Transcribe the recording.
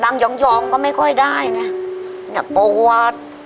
นั่งยองก็ไม่ค่อยได้เนี่ยเนี่ยปวด